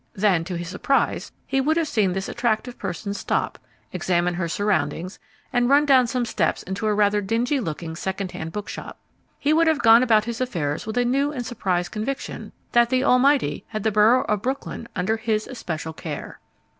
Then, to his surprise, he would have seen this attractive person stop, examine her surroundings, and run down some steps into a rather dingy looking second hand bookshop. He would have gone about his affairs with a new and surprised conviction that the Almighty had the borough of Brooklyn under His especial care.